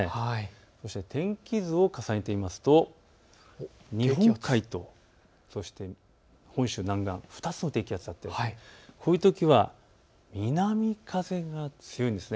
そして天気図を重ねてみると日本海と本州南岸、２つの低気圧があってこういうときは南風が強いんです。